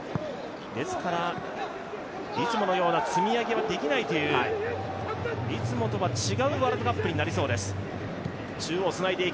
ですから、いつものような積み上げはできないといういつもとは違うワールドカップになりそうです。